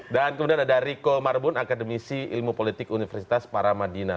kemudian ada riko marbun akademisi ilmu politik universitas paramadina